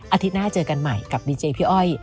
อาทิตย์หน้าเจอกันใหม่กับดีเจพี่อ้อย